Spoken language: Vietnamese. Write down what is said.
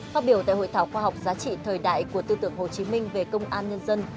phát biểu tại hội thảo khoa học giá trị thời đại của tư tưởng hồ chí minh về công an nhân dân